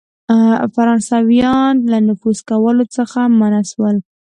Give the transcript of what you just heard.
فرانسیویان له نفوذ کولو څخه منع سول.